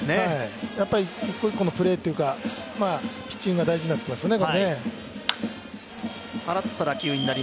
やっぱり一個一個のプレーというか、ピッチングが大事になってきますね。